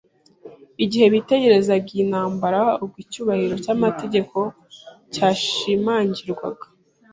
igihe bitegerezaga iyi intambara ubwo icyubahiro cy’amategeko cyashimangirwaga